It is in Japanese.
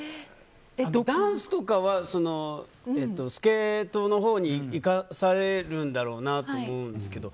ダンスとかはスケートのほうに生かされるんだろうなって思うんですけど。